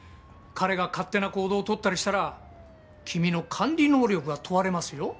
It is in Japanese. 彼が勝手な行動を取ったりしたら君の管理能力が問われますよ。